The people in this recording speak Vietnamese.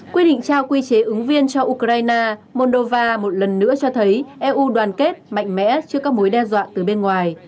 quy định trao quy chế ứng viên cho ukraine moldova một lần nữa cho thấy eu đoàn kết mạnh mẽ trước các mối đe dọa từ bên ngoài